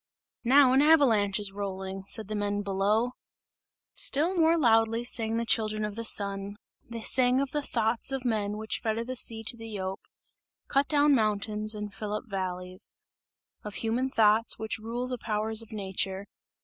"Now an avalanche is rolling!" said the men below. Still more loudly sang the children of the Sun; they sang of the "thoughts" of men which fetter the sea to the yoke, cut down mountains and fill up valleys; of human thoughts which rule the powers of nature.